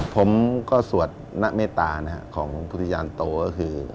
ผมก็สวดหน้าเมตตาของพุทธยานโตก็คือ